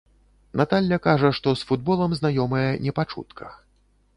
Наталля кажа, што з футболам знаёмая не па чутках.